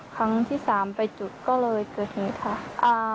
ครั้งที่๓ไปจุดก็เลยเกิดนี้ค่ะ